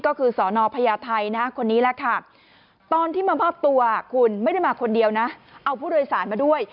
ก็คือสนพญาไทยนะคนนี้แหละค่ะตอนที่มามอบตัวคุณไม่ได้มาคนเดียวนะเอาผู้โดยสารมาด้วย